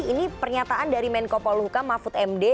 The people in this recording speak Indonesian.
ini pernyataan dari menko poluka mahfud md